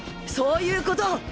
そういうこと。